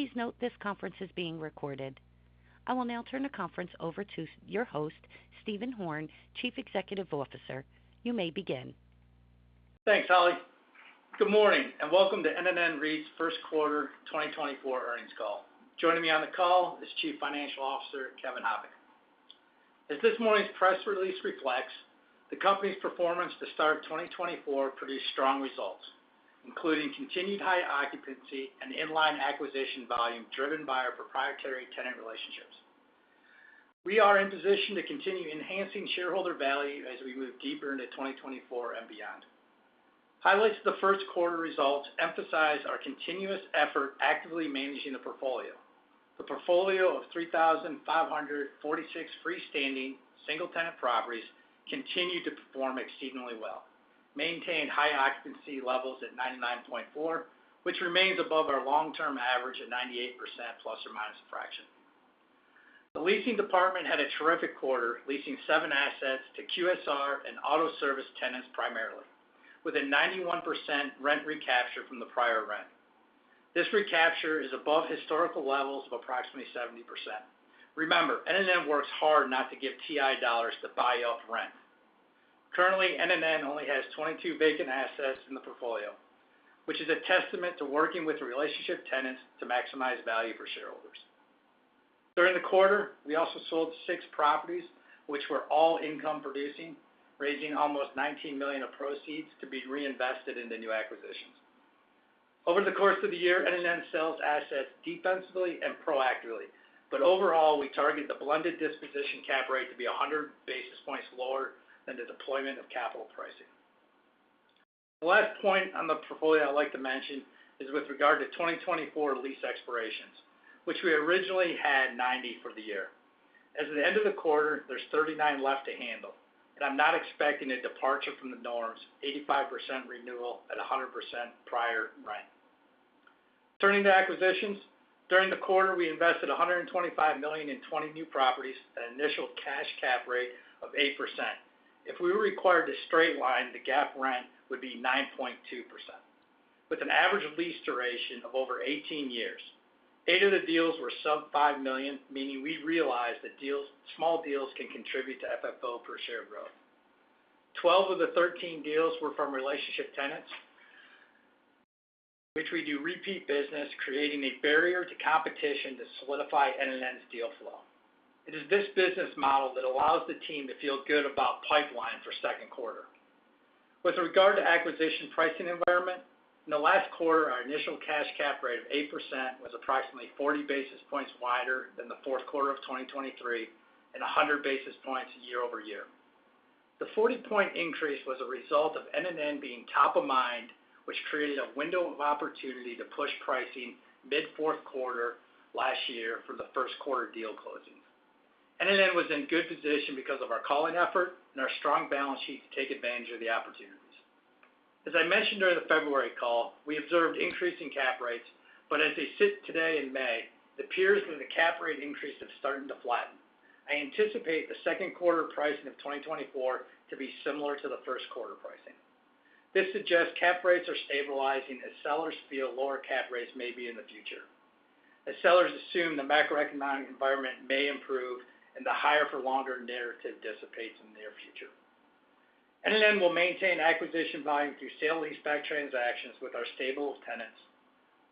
Please note this conference is being recorded. I will now turn the conference over to your host, Stephen Horn, Chief Executive Officer. You may begin. Thanks, Holly. Good morning, and welcome to NNN REIT's first quarter 2024 earnings call. Joining me on the call is Chief Financial Officer, Kevin Habicht. As this morning's press release reflects, the company's performance to start 2024 produced strong results, including continued high occupancy and in-line acquisition volume, driven by our proprietary tenant relationships. We are in position to continue enhancing shareholder value as we move deeper into 2024 and beyond. Highlights of the first quarter results emphasize our continuous effort actively managing the portfolio. The portfolio of 3,546 freestanding single-tenant properties continued to perform exceedingly well, maintained high occupancy levels at 99.4%, which remains above our long-term average of 98% ± a fraction. The leasing department had a terrific quarter, leasing 7 assets to QSR and auto service tenants primarily, with a 91% rent recapture from the prior rent. This recapture is above historical levels of approximately 70%. Remember, NNN works hard not to give TI dollars to buy off rent. Currently, NNN only has 22 vacant assets in the portfolio, which is a testament to working with relationship tenants to maximize value for shareholders. During the quarter, we also sold 6 properties, which were all income producing, raising almost $19 million of proceeds to be reinvested in the new acquisitions. Over the course of the year, NNN sells assets defensively and proactively, but overall, we target the blended disposition cap rate to be 100 basis points lower than the deployment of capital pricing. The last point on the portfolio I'd like to mention is with regard to 2024 lease expirations, which we originally had 90 for the year. As of the end of the quarter, there's 39 left to handle, and I'm not expecting a departure from the norms, 85% renewal at 100% prior rent. Turning to acquisitions. During the quarter, we invested $125 million in 20 new properties at an initial cash cap rate of 8%. If we were required to straight line, the GAAP rent would be 9.2%, with an average lease duration of over 18 years. 8 of the deals were sub-$5 million, meaning we realized that deals, small deals can contribute to FFO per share growth. 12 of the 13 deals were from relationship tenants, which we do repeat business, creating a barrier to competition to solidify NNN's deal flow. It is this business model that allows the team to feel good about pipeline for second quarter. With regard to acquisition pricing environment, in the last quarter, our initial cash cap rate of 8% was approximately 40 basis points wider than the fourth quarter of 2023, and 100 basis points year-over-year. The 40-point increase was a result of NNN being top of mind, which created a window of opportunity to push pricing mid fourth quarter last year for the first quarter deal closing. NNN was in good position because of our calling effort and our strong balance sheet to take advantage of the opportunities. As I mentioned during the February call, we observed increasing cap rates, but as they sit today in May, it appears that the cap rate increases have started to flatten. I anticipate the second quarter pricing of 2024 to be similar to the first quarter pricing. This suggests cap rates are stabilizing as sellers feel lower cap rates may be in the future. As sellers assume the macroeconomic environment may improve and the higher for longer narrative dissipates in the near future. NNN will maintain acquisition volume through sale-leaseback transactions with our stable of tenants.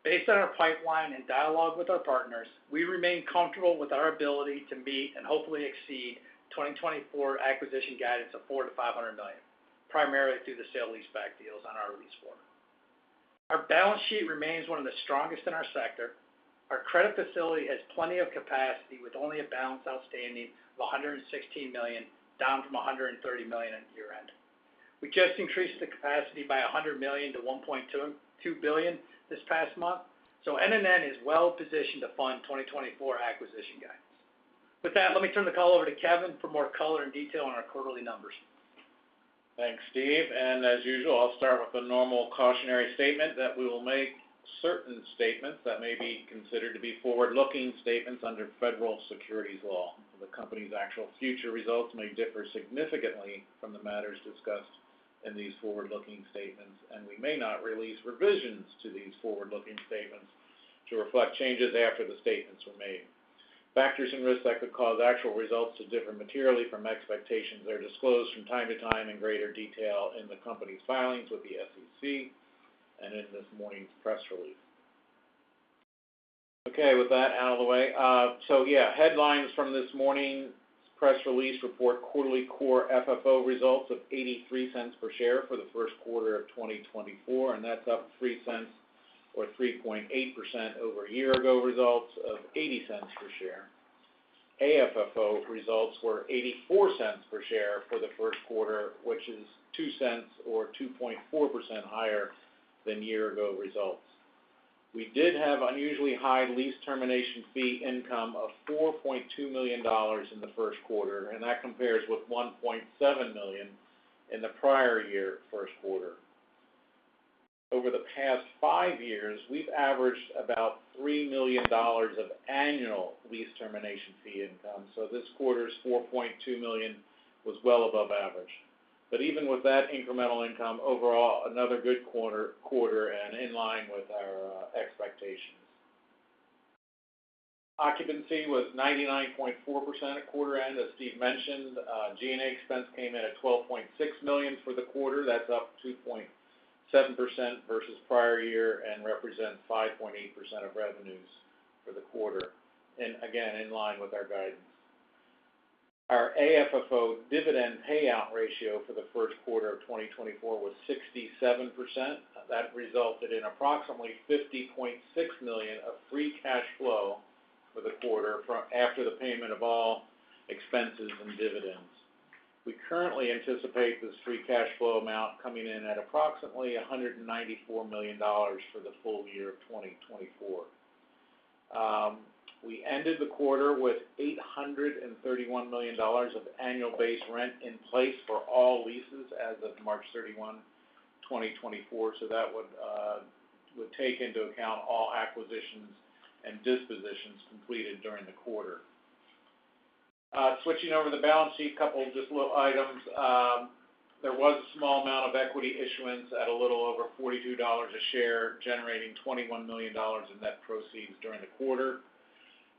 Based on our pipeline and dialogue with our partners, we remain comfortable with our ability to meet and hopefully exceed 2024 acquisition guidance of $400 million-$500 million, primarily through the sale-leaseback deals on our lease form. Our balance sheet remains one of the strongest in our sector. Our credit facility has plenty of capacity, with only a balance outstanding of $116 million, down from $130 million at year-end. We just increased the capacity by $100 million to $1.2 billion this past month, so NNN is well positioned to fund 2024 acquisition guidance. With that, let me turn the call over to Kevin for more color and detail on our quarterly numbers. Thanks, Steve. As usual, I'll start with the normal cautionary statement that we will make certain statements that may be considered to be forward-looking statements under federal securities law. The company's actual future results may differ significantly from the matters discussed in these forward-looking statements, and we may not release revisions to these forward-looking statements to reflect changes after the statements were made. Factors and risks that could cause actual results to differ materially from expectations are disclosed from time to time in greater detail in the company's filings with the SEC and in this morning's press release. Okay, with that out of the way, so yeah, headlines from this morning's press release report quarterly core FFO results of $0.83 per share for the first quarter of 2024, and that's up $0.03 or 3.8% over year-ago results of $0.80 per share. AFFO results were $0.84 per share for the first quarter, which is $0.02 or 2.4% higher than year-ago results. We did have unusually high lease termination fee income of $4.2 million in the first quarter, and that compares with $1.7 million in the prior-year first quarter. Over the past five years, we've averaged about $3 million of annual lease termination fee income, so this quarter's $4.2 million was well above average. But even with that incremental income, overall, another good quarter and in line with our expectations. Occupancy was 99.4% at quarter end. As Steve mentioned, G&A expense came in at $12.6 million for the quarter. That's up 2.7% versus prior year and represents 5.8% of revenues for the quarter, and again, in line with our guidance. Our AFFO dividend payout ratio for the first quarter of 2024 was 67%. That resulted in approximately $50.6 million of free cash flow for the quarter after the payment of all expenses and dividends. We currently anticipate this free cash flow amount coming in at approximately $194 million for the full year of 2024. We ended the quarter with $831 million of annual base rent in place for all leases as of March 31, 2024. So that would take into account all acquisitions and dispositions completed during the quarter. Switching over to the balance sheet, a couple of just little items. There was a small amount of equity issuance at a little over $42 a share, generating $21 million in net proceeds during the quarter.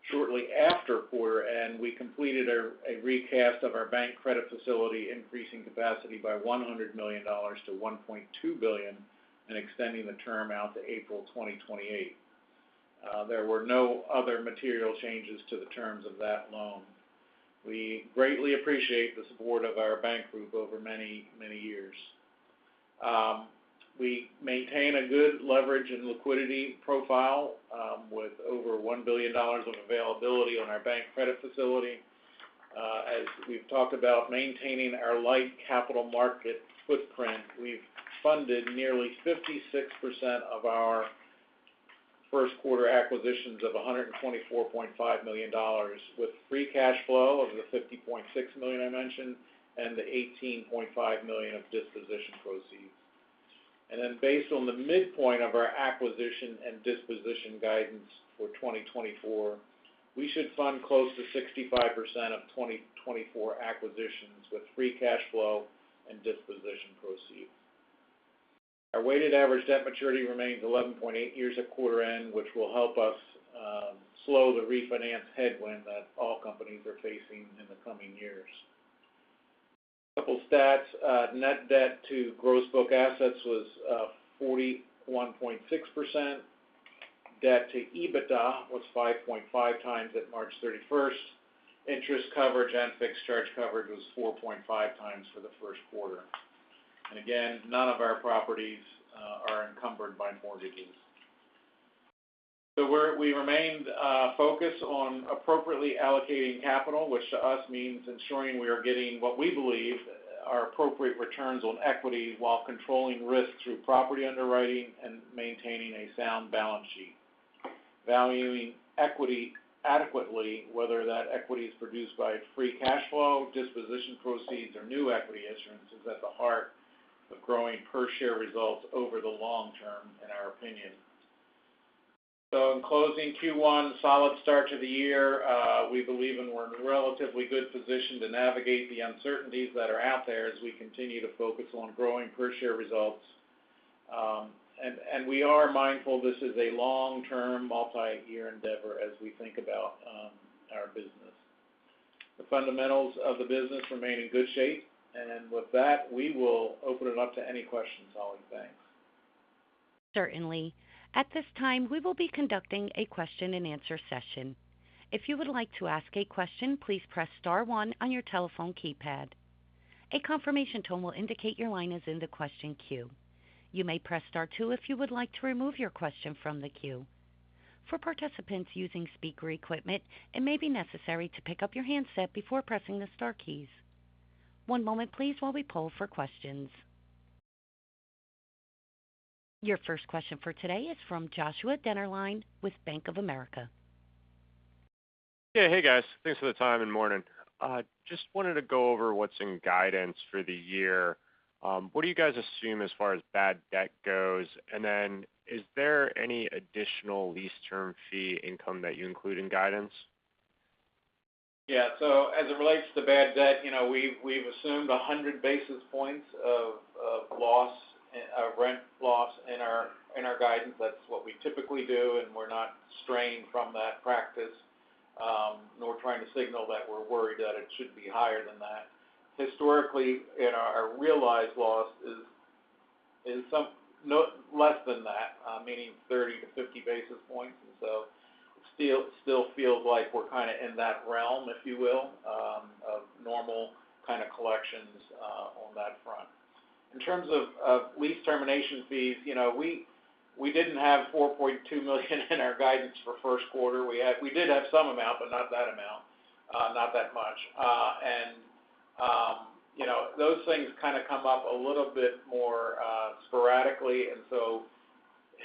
Shortly after quarter end, we completed a recast of our bank credit facility, increasing capacity by $100 million to $1.2 billion, and extending the term out to April 2028. There were no other material changes to the terms of that loan. We greatly appreciate the support of our bank group over many, many years. We maintain a good leverage and liquidity profile, with over $1 billion of availability on our bank credit facility. As we've talked about maintaining our light capital market footprint, we've funded nearly 56% of our first quarter acquisitions of $124.5 million, with free cash flow of the $50.6 million I mentioned, and the $18.5 million of disposition proceeds. Based on the midpoint of our acquisition and disposition guidance for 2024, we should fund close to 65% of 2024 acquisitions with free cash flow and disposition proceeds. Our weighted average debt maturity remains 11.8 years at quarter end, which will help us slow the refinance headwind that all companies are facing in the coming years. Couple stats, net debt to gross book assets was 41.6%. Debt to EBITDA was 5.5 times at March 31. Interest coverage and fixed charge coverage was 4.5 times for the first quarter. And again, none of our properties are encumbered by mortgages. So we remained focused on appropriately allocating capital, which to us means ensuring we are getting what we believe are appropriate returns on equity, while controlling risk through property underwriting and maintaining a sound balance sheet. Valuing equity adequately, whether that equity is produced by free cash flow, disposition proceeds, or new equity issuance, is at the heart of growing per share results over the long term, in our opinion. So in closing Q1, solid start to the year. We believe and we're in a relatively good position to navigate the uncertainties that are out there as we continue to focus on growing per share results. And we are mindful this is a long-term, multi-year endeavor as we think about our business. The fundamentals of the business remain in good shape. And with that, we will open it up to any questions, Holly. Thanks. Certainly. At this time, we will be conducting a question-and-answer session. If you would like to ask a question, please press star one on your telephone keypad. A confirmation tone will indicate your line is in the question queue. You may press star two if you would like to remove your question from the queue. For participants using speaker equipment, it may be necessary to pick up your handset before pressing the star keys. One moment please, while we poll for questions. Your first question for today is from Joshua Dennerline with Bank of America. Yeah. Hey, guys. Thanks for the time and morning. Just wanted to go over what's in guidance for the year. What do you guys assume as far as bad debt goes? And then is there any additional lease term fee income that you include in guidance? Yeah. So as it relates to bad debt, you know, we've assumed 100 basis points of loss, rent loss in our guidance. That's what we typically do, and we're not straying from that practice, nor trying to signal that we're worried that it should be higher than that. Historically, and our realized loss is no less than that, meaning 30-50 basis points. And so still feels like we're kind of in that realm, if you will, of normal kind of collections on that front. In terms of lease termination fees, you know, we didn't have $4.2 million in our guidance for first quarter. We did have some amount, but not that amount, not that much. And, you know, those things kind of come up a little bit more sporadically. And so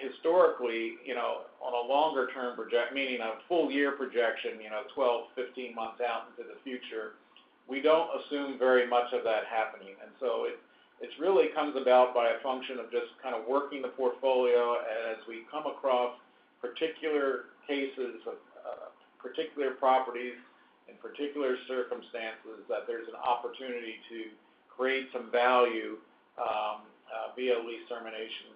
historically, you know, on a longer term project, meaning a full year projection, you know, 12–15 months out into the future, we don't assume very much of that happening. And so it, it's really comes about by a function of just kind of working the portfolio. As we come across particular cases of particular properties and particular circumstances that there's an opportunity to create some value via lease termination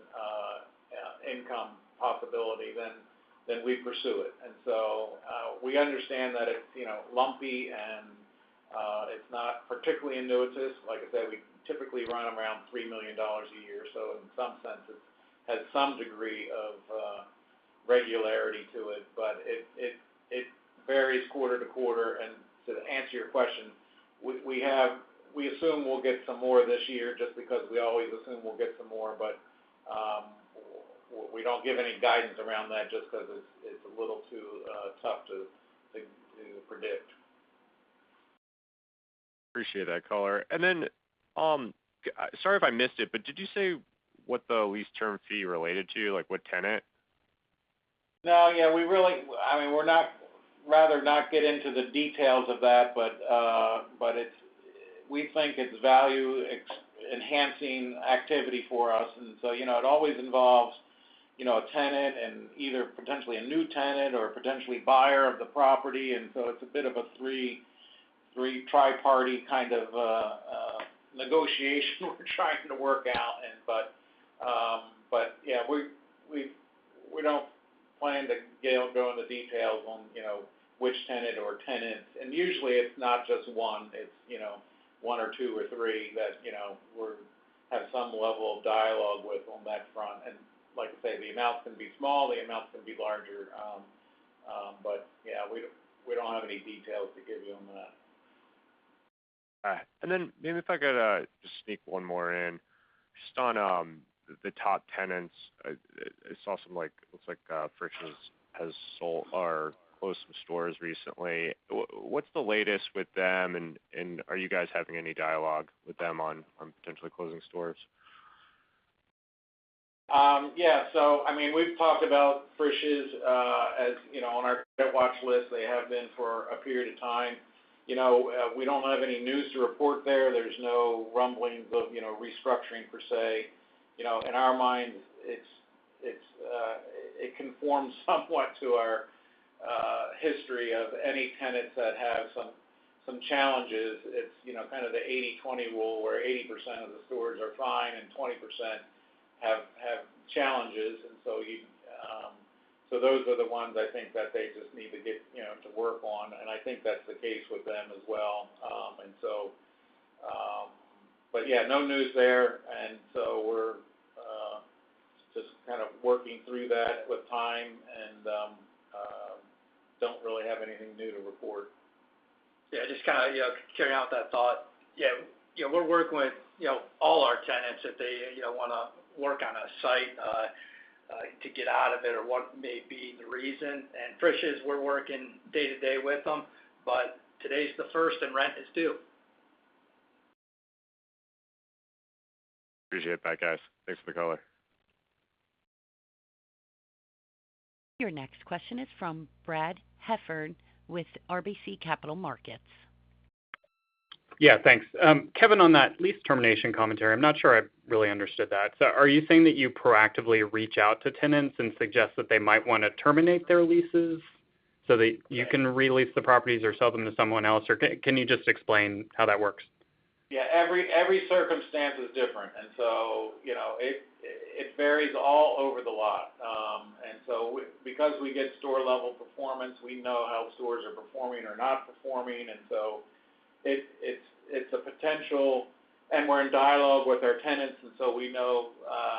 income possibility, then we pursue it. And so we understand that it's, you know, lumpy, and it's not particularly annuitized. Like I said, we typically run around $3 million a year, so in some sense, it has some degree of regularity to it. But it varies quarter to quarter. To answer your question, we have, we assume we'll get some more this year, just because we always assume we'll get some more. But, we don't give any guidance around that just because it's a little too tough to predict. Appreciate that, caller. Then, sorry if I missed it, but did you say what the lease termination fee related to? Like, what tenant? No, yeah, we really—I mean, we're not rather not get into the details of that, but, but it's—we think it's value enhancing activity for us. And so, you know, it always involves, you know, a tenant and either potentially a new tenant or potentially buyer of the property, and so it's a bit of a three triparty kind of negotiation we're trying to work out. And but, but yeah, we don't plan to go into details on, you know, which tenant or tenants. And usually it's not just one, it's, you know, one or two or three that, you know, we're have some level of dialogue with on that front. And like I say, the amounts can be small, the amounts can be larger. But yeah, we don't have any details to give you on that. All right. And then maybe if I could, just sneak one more in, just on, the top tenants. I saw some like, looks like, Frisch's has sold or closed some stores recently. What's the latest with them, and, and are you guys having any dialogue with them on, potentially closing stores? Yeah. So I mean, we've talked about Frisch's, as you know, on our credit watch list. They have been for a period of time. You know, we don't have any news to report there. There's no rumblings of, you know, restructuring per se. You know, in our mind, it conforms somewhat to our history of any tenants that have some challenges. It's, you know, kind of the 80/20 rule, where 80% of the stores are fine and 20% have challenges. And so you so those are the ones I think that they just need to get, you know, to work on, and I think that's the case with them as well. And so, but yeah, no news there. And so we're just kind of working through that with time and don't really have anything new to report. Yeah, just kind of, you know, carrying out that thought. Yeah, you know, we're working with, you know, all our tenants if they, you know, wanna work on a site to get out of it or what may be the reason. And Frisch's, we're working day to day with them, but today's the first and rent is due. Appreciate that, guys. Thanks for the call. Your next question is from Brad Heffern with RBC Capital Markets. Yeah, thanks. Kevin, on that lease termination commentary, I'm not sure I really understood that. So are you saying that you proactively reach out to tenants and suggest that they might wanna terminate their leases so that you can re-lease the properties or sell them to someone else? Or can you just explain how that works? Yeah, every, every circumstance is different. And so, you know, it, it varies all over the lot. And so because we get store-level performance, we know how stores are performing or not performing, and so it's, it's, it's a potential. And we're in dialogue with our tenants, and so we know,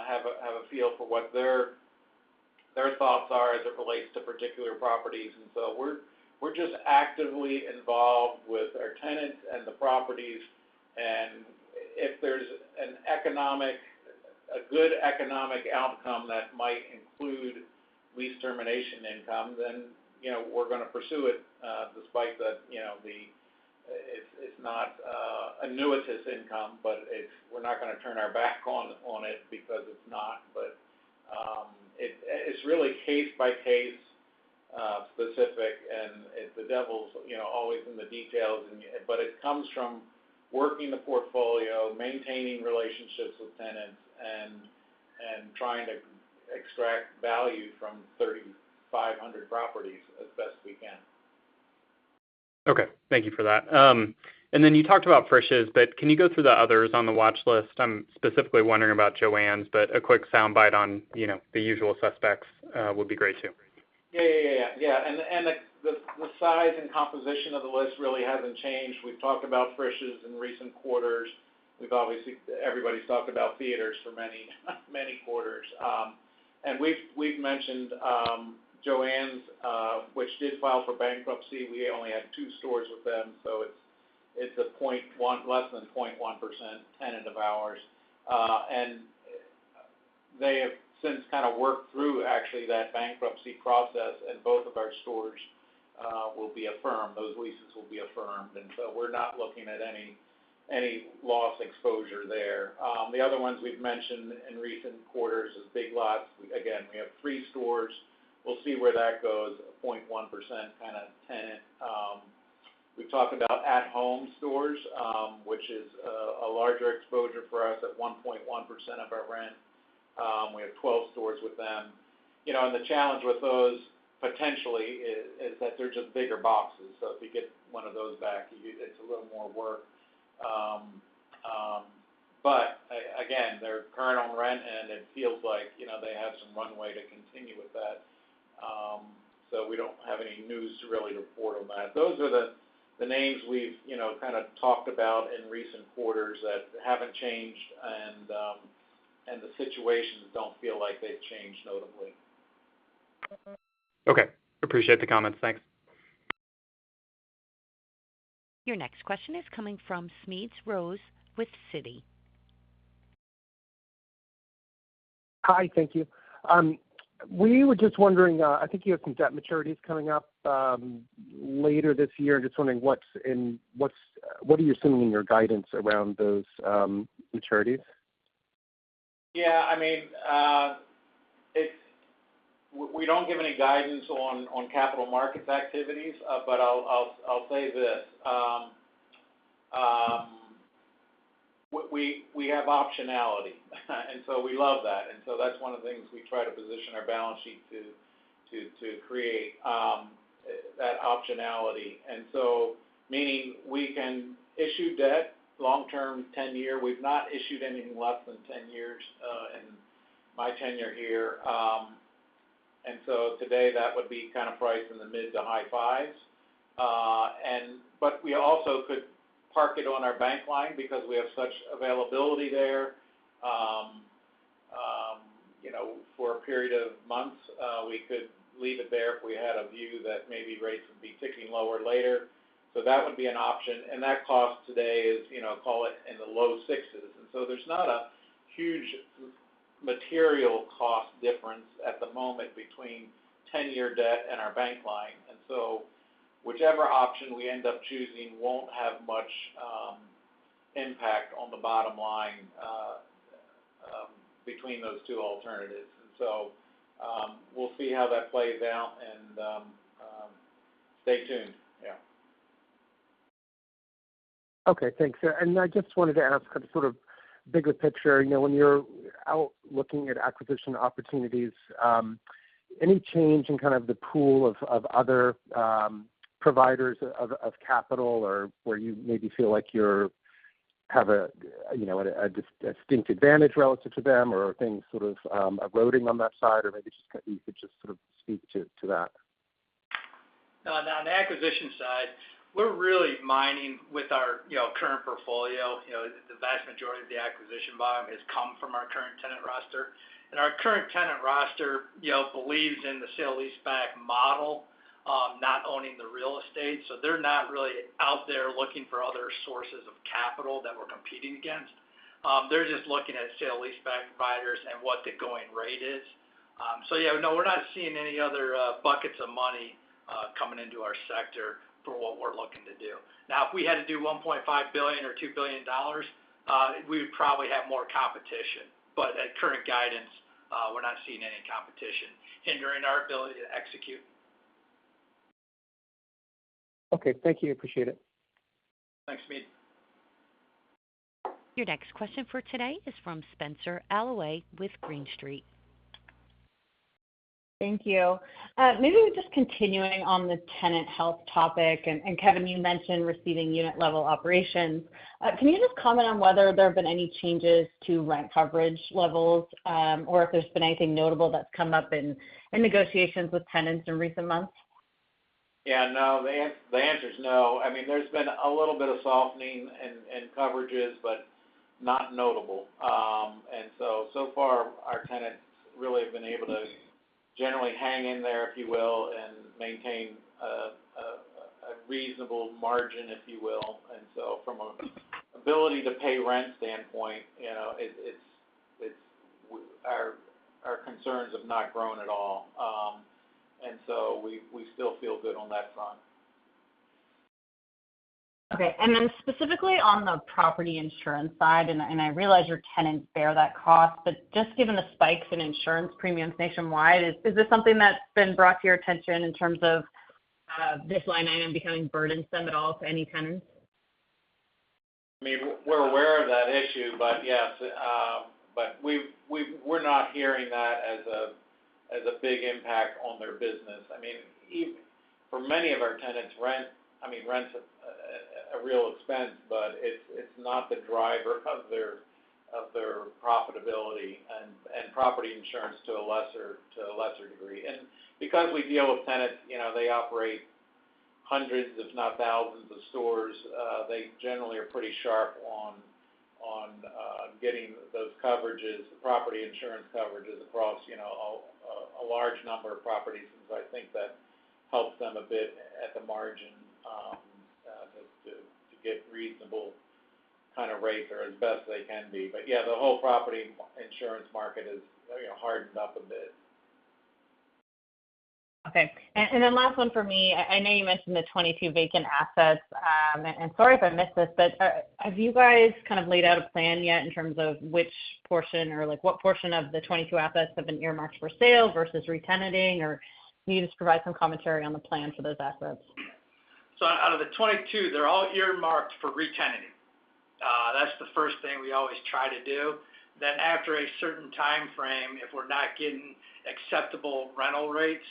have a, have a feel for what their, their thoughts are as it relates to particular properties. And so we're, we're just actively involved with our tenants and the properties. And if there's an economic, a good economic outcome that might include lease termination income, then, you know, we're gonna pursue it, despite the, you know, the, it's, it's not, annuitized income, but it's, we're not gonna turn our back on, on it because it's not. But, it's really case-by-case, specific, and it's the devil's, you know, always in the details. But it comes from working the portfolio, maintaining relationships with tenants, and trying to extract value from 3,500 properties as best we can. Okay, thank you for that. And then you talked about Frisch's, but can you go through the others on the watch list? I'm specifically wondering about JOANN, but a quick soundbite on, you know, the usual suspects, would be great, too. Yeah, yeah, yeah. Yeah, and the size and composition of the list really hasn't changed. We've talked about Frisch's in recent quarters. We've obviously. Everybody's talked about theaters for many, many quarters. And we've mentioned JOANN, which did file for bankruptcy. We only had two stores with them, so it's 0.1%, less than 0.1% tenant of ours. And they have since kind of worked through, actually, that bankruptcy process, and both of our stores will be affirmed. Those leases will be affirmed, and so we're not looking at any loss exposure there. The other ones we've mentioned in recent quarters is Big Lots. Again, we have three stores. We'll see where that goes, 0.1% kind of tenant. We've talked about At Home stores, which is a larger exposure for us at 1.1% of our rent. We have 12 stores with them. You know, and the challenge with those potentially is that they're just bigger boxes. So if you get one of those back, it's a little more work. But again, they're current on rent, and it feels like, you know, they have some runway to continue with that. So we don't have any news to really report on that. Those are the names we've, you know, kind of talked about in recent quarters that haven't changed, and, and the situations don't feel like they've changed notably. Okay, appreciate the comments. Thanks. Your next question is coming from Smedes Rose with Citi. Hi, thank you. We were just wondering, I think you have some debt maturities coming up later this year. Just wondering what are you assuming in your guidance around those maturities? Yeah, I mean, we don't give any guidance on capital markets activities, but I'll say this, we have optionality, and so we love that. And so that's one of the things we try to position our balance sheet to create that optionality. And so meaning we can issue debt long term, 10-year. We've not issued anything less than 10 years in my tenure here. And so today, that would be kind of priced in the mid- to high-5s. But we also could park it on our bank line because we have such availability there. You know, for a period of months, we could leave it there if we had a view that maybe rates would be ticking lower later. So that would be an option, and that cost today is, you know, call it in the low-6s. And so there's not a huge material cost difference at the moment between 10-year debt and our bank line. And so whichever option we end up choosing won't have much impact on the bottom line between those two alternatives. And so, we'll see how that plays out and stay tuned. Yeah. Okay, thanks. I just wanted to ask kind of, sort of bigger picture, you know, when you're out looking at acquisition opportunities, any change in kind of the pool of, of other, providers of, of capital, or where you maybe feel like you're have a, you know, a distinct advantage relative to them, or are things sort of, eroding on that side? Or maybe just you could just sort of speak to, to that. No, on the acquisition side, we're really mining with our, you know, current portfolio. You know, the vast majority of the acquisition volume has come from our current tenant roster. And our current tenant roster, you know, believes in the sale-leaseback model, not owning the real estate. So they're not really out there looking for other sources of capital that we're competing against. They're just looking at sale-leaseback providers and what the going rate is. So yeah, no, we're not seeing any other buckets of money coming into our sector for what we're looking to do. Now, if we had to do $1.5 billion or $2 billion, we would probably have more competition, but at current guidance, we're not seeing any competition hindering our ability to execute. Okay, thank you. Appreciate it. Thanks, Smedes. Your next question for today is from Spenser Allaway with Green Street. Thank you. Maybe just continuing on the tenant health topic, and Kevin, you mentioned receiving unit level operations. Can you just comment on whether there have been any changes to rent coverage levels, or if there's been anything notable that's come up in negotiations with tenants in recent months? Yeah, no, the answer is no. I mean, there's been a little bit of softening in coverages, but not notable. And so, so far, our tenants really have been able to generally hang in there, if you will, and maintain a reasonable margin, if you will. And so from a ability to pay rent standpoint, you know, it's our concerns have not grown at all. And so we still feel good on that front. Okay, and then specifically on the property insurance side, and I realize your tenants bear that cost, but just given the spikes in insurance premiums nationwide, is this something that's been brought to your attention in terms of this line item becoming burdensome at all to any tenants? I mean, we're aware of that issue, but yes, but we're not hearing that as a big impact on their business. I mean, for many of our tenants, rent, I mean, rent's a real expense, but it's not the driver of their profitability and property insurance to a lesser degree. And because we deal with tenants, you know, they operate hundreds, if not thousands of stores, they generally are pretty sharp on getting those coverages, property insurance coverages across, you know, a large number of properties. So I think that helps them a bit at the margin, to get reasonable kind of rates or as best they can be. But yeah, the whole property insurance market is, you know, hardened up a bit. Okay. And then last one for me. I know you mentioned the 22 vacant assets, and sorry if I missed this, but have you guys kind of laid out a plan yet in terms of which portion or like what portion of the 22 assets have been earmarked for sale versus retenanting? Or can you just provide some commentary on the plan for those assets? So out of the 22, they're all earmarked for retenanting. That's the first thing we always try to do. Then after a certain timeframe, if we're not getting acceptable rental rates,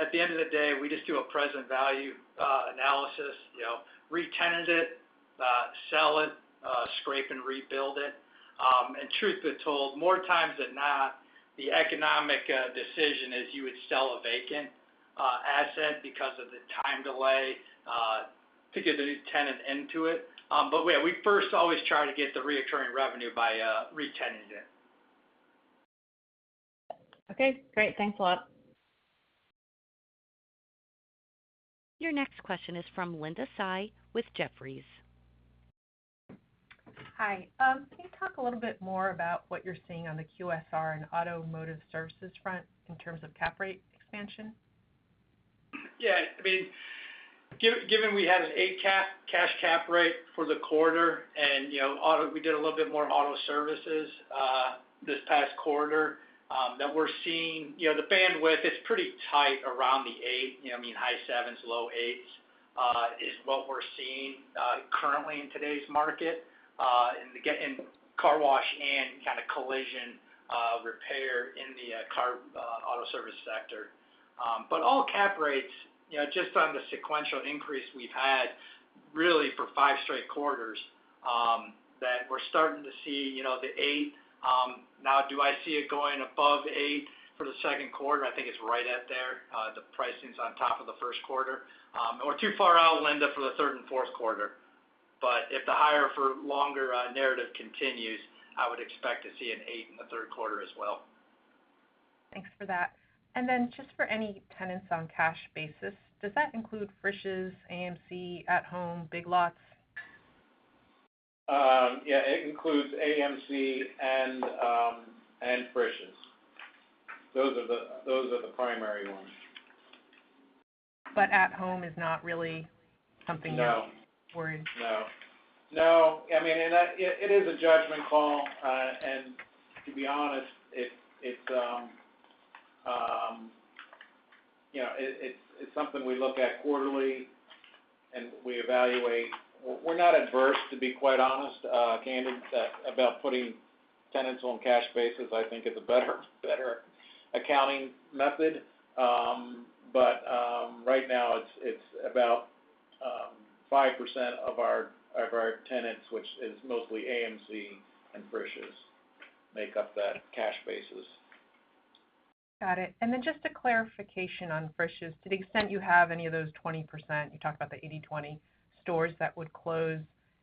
at the end of the day, we just do a present value analysis, you know, retenant it, sell it, scrape and rebuild it. And truth be told, more times than not, the economic decision is you would sell a vacant asset because of the time delay to get the new tenant into it. But yeah, we first always try to get the recurring revenue by retenanting it. Okay, great. Thanks a lot. Your next question is from Linda Tsai with Jefferies. Hi. Can you talk a little bit more about what you're seeing on the QSR and automotive services front in terms of cap rate expansion? Yeah, I mean, given we had an 8 cap, cash cap rate for the quarter, and, you know, we did a little bit more auto services, this past quarter, that we're seeing. You know, the bandwidth, it's pretty tight around the 8, you know, I mean, high 7s, low 8s, is what we're seeing, currently in today's market, in car wash and kind of collision repair in the car auto service sector. But all cap rates, you know, just on the sequential increase we've had, really for 5 straight quarters, that we're starting to see, you know, the 8. Now, do I see it going above 8 for the second quarter? I think it's right up there. The pricing's on top of the first quarter. or too far out, Linda, for the third and fourth quarter. But if the higher for longer narrative continues, I would expect to see an 8 in the third quarter as well. Thanks for that. And then just for any tenants on cash basis, does that include Frisch's, AMC, At Home, Big Lots? Yeah, it includes AMC and Frisch's. Those are the primary ones. But At Home is not really something you're- No. - worried about? No. No, I mean, and that... It is a judgment call. And to be honest, it's you know, it's something we look at quarterly, and we evaluate. We're not adverse, to be quite honest, candid, about putting tenants on cash basis. I think it's a better accounting method. But right now, it's about 5% of our tenants, which is mostly AMC and Frisch's, make up that cash basis. Got it. And then just a clarification on Frisch's. To the extent you have any of those 20%, you talked about the 80/20 stores that would close,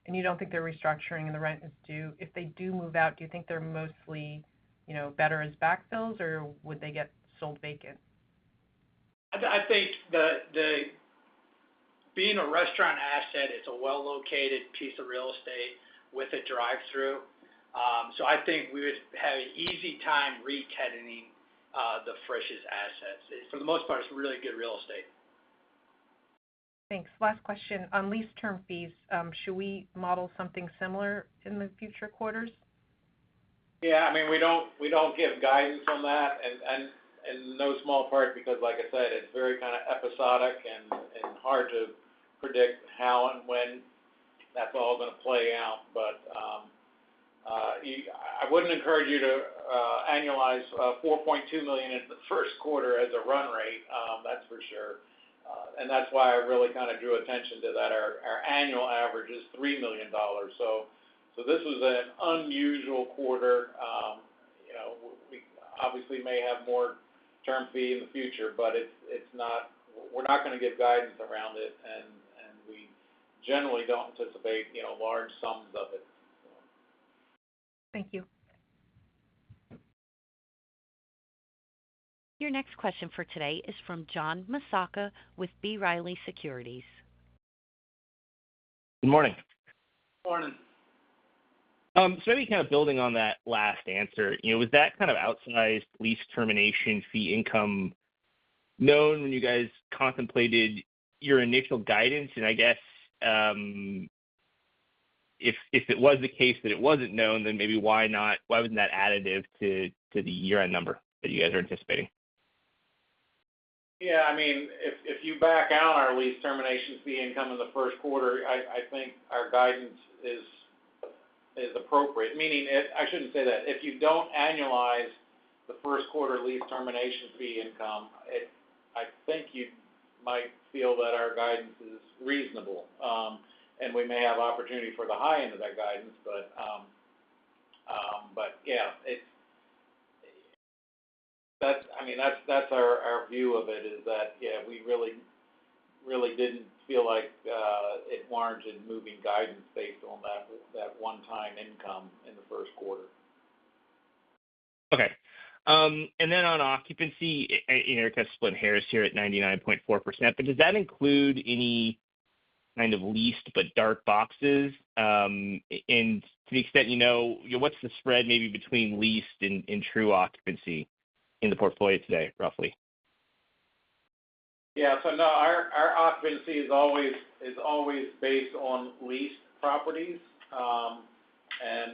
and you don't think they're restructuring, and the rent is due. If they do move out, do you think they're mostly, you know, better as backfills, or would they get sold vacant? I think being a restaurant asset, it's a well-located piece of real estate with a drive-through. So I think we would have an easy time retenanting the Frisch's assets. For the most part, it's really good real estate. Thanks. Last question: on lease termination fees, should we model something similar in the future quarters? Yeah, I mean, we don't, we don't give guidance on that, and, and, and in no small part, because like I said, it's very kind of episodic and, and hard to predict how and when that's all gonna play out. But, you-- I wouldn't encourage you to annualize $4.2 million in the first quarter as a run rate, that's for sure. And that's why I really kind of drew attention to that. Our annual average is $3 million, so this was an unusual quarter. You know, we obviously may have more term fee in the future, but it's not-- we're not gonna give guidance around it, and we generally don't anticipate, you know, large sums of it, so. Thank you. Your next question for today is from John Massocca with B. Riley Securities. Good morning. Morning. So kind of building on that last answer, you know, was that kind of outsized lease termination fee income known when you guys contemplated your initial guidance? And I guess, if it was the case that it wasn't known, then maybe why not—why wasn't that additive to the year-end number that you guys are anticipating? Yeah, I mean, if you back out our lease termination fee income in the first quarter, I think our guidance is appropriate. Meaning, I shouldn't say that. If you don't annualize the first quarter lease termination fee income, I think you might feel that our guidance is reasonable. And we may have opportunity for the high end of that guidance, but yeah, it's that. I mean, that's our view of it, is that yeah, we really didn't feel like it warranted moving guidance based on that one-time income in the first quarter. Okay. And then on occupancy, and, you know, kind of splitting hairs here at 99.4%, but does that include any kind of leased but dark boxes? And to the extent, you know, what's the spread maybe between leased and true occupancy in the portfolio today, roughly? Yeah. So no, our occupancy is always based on leased properties. And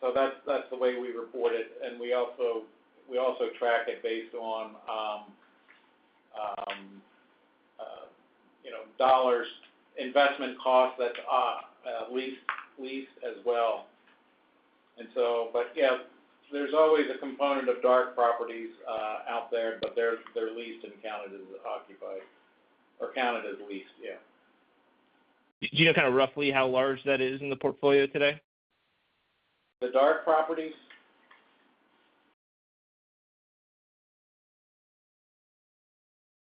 so that's the way we report it, and we also track it based on, you know, dollars investment cost that's leased as well. And so, but yeah, there's always a component of dark properties out there, but they're leased and counted as occupied or counted as leased, yeah. Do you know kind of roughly how large that is in the portfolio today? The dark properties?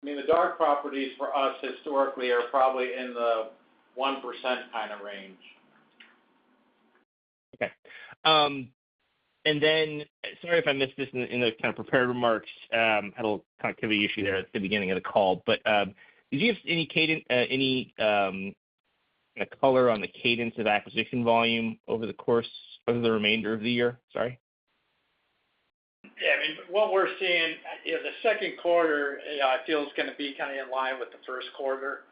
I mean, the dark properties for us historically are probably in the 1% kind of range. Okay. And then, sorry if I missed this in the kind of prepared remarks, had a little connectivity issue there at the beginning of the call. But, did you have any cadence, any color on the cadence of acquisition volume over the course - over the remainder of the year? Sorry. Yeah, I mean, what we're seeing, you know, the second quarter, I feel is gonna be kind of in line with the first quarter.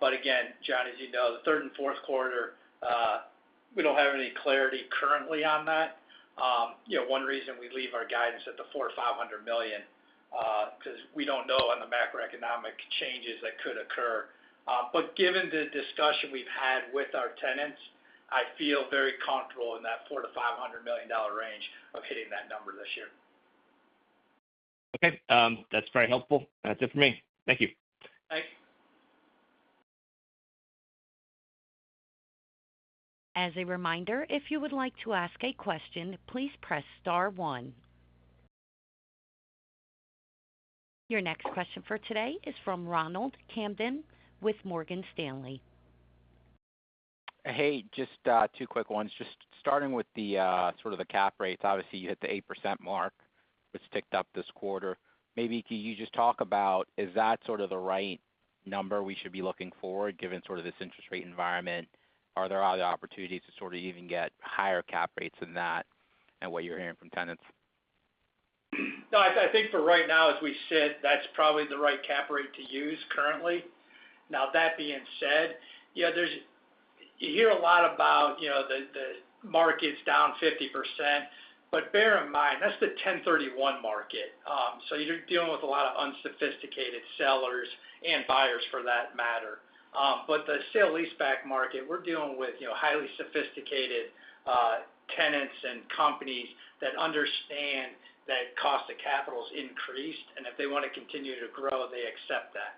But again, John, as you know, the third and fourth quarter, we don't have any clarity currently on that. You know, one reason we leave our guidance at the $400 million-$500 million, because we don't know on the macroeconomic changes that could occur. But given the discussion we've had with our tenants, I feel very comfortable in that $400 million-$500 million dollar range of hitting that number this year. Okay, that's very helpful. That's it for me. Thank you. Thanks. As a reminder, if you would like to ask a question, please press Star One. Your next question for today is from Ronald Kamdem with Morgan Stanley. Hey, just, two quick ones. Just starting with the, sort of the cap rates. Obviously, you hit the 8% mark, which ticked up this quarter. Maybe can you just talk about, is that sort of the right number we should be looking for, given sort of this interest rate environment? Are there other opportunities to sort of even get higher cap rates than that and what you're hearing from tenants? No, I think for right now, as we've said, that's probably the right cap rate to use currently. Now, that being said, yeah, there's you hear a lot about, you know, the, the market's down 50%, but bear in mind, that's the 1031 market. So you're dealing with a lot of unsophisticated sellers and buyers for that matter. But the sale-leaseback market, we're dealing with, you know, highly sophisticated tenants and companies that understand that cost of capital has increased, and if they want to continue to grow, they accept that.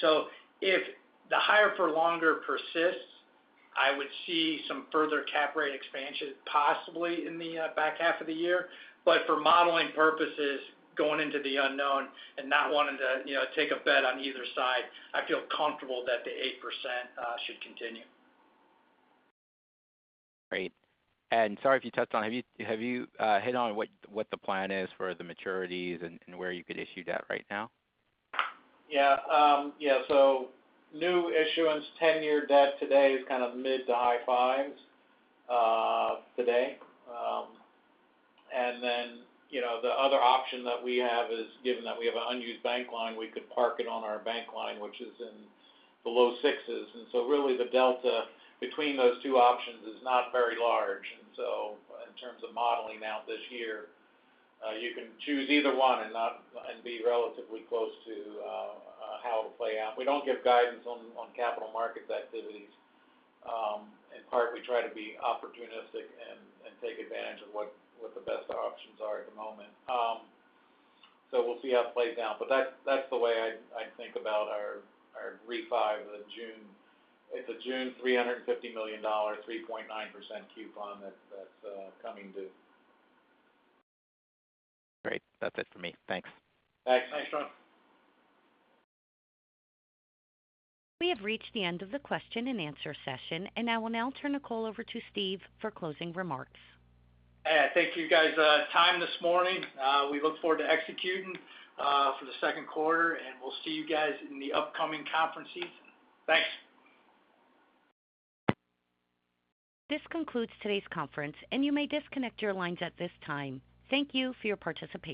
So if the higher for longer persists, I would see some further cap rate expansion, possibly in the back half of the year. For modeling purposes, going into the unknown and not wanting to, you know, take a bet on either side, I feel comfortable that the 8% should continue. Great. Sorry, if you touched on it, have you hit on what the plan is for the maturities and where you could issue debt right now? Yeah. Yeah, so new issuance, 10-year debt today is kind of mid- to high-5s today. And then, you know, the other option that we have is, given that we have an unused bank line, we could park it on our bank line, which is in the low-6s. And so really, the delta between those two options is not very large. And so in terms of modeling out this year, you can choose either one and not-- and be relatively close to how it'll play out. We don't give guidance on capital markets activities. In part, we try to be opportunistic and take advantage of what the best options are at the moment. So we'll see how it plays out. But that's the way I think about our refi, the June... It's a June $350 million, 3.9% coupon that's coming due. Great. That's it for me. Thanks. Thanks. Thanks, Ron. We have reached the end of the question and answer session, and I will now turn the call over to Steve for closing remarks. Hey, thank you, guys, time this morning. We look forward to executing for the second quarter, and we'll see you guys in the upcoming conference season. Thanks. This concludes today's conference, and you may disconnect your lines at this time. Thank you for your participation.